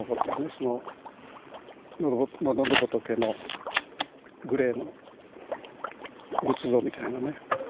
その喉仏のグレーの仏像みたいなね。